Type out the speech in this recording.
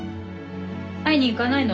会いに行かないの？